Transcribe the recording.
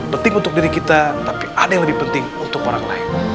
penting untuk diri kita tapi ada yang lebih penting untuk orang lain